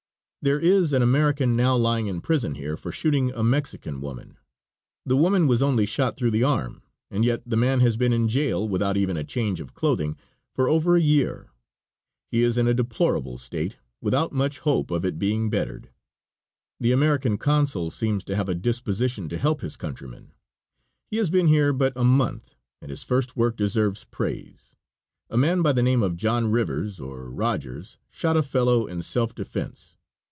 There is an American now lying in prison here for shooting a Mexican woman; the woman was only shot through the arm, and yet the man has been in jail, without even a change of clothing, for over a year. He is in a deplorable state, without much hope of it being bettered. The American Consul seems to have a disposition to help his countryman. He has been here but a month, and his first work deserves praise. A man by the name of John Rivers, or Rodgers, shot a fellow in self defense.